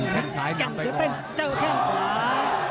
แกงเสียเป็นเจ้าแข้งขวา